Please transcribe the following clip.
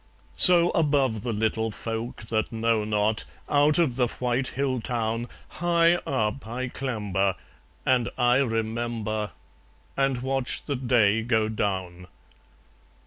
So above the little folk that know not, Out of the white hill town, High up I clamber; and I remember; And watch the day go down.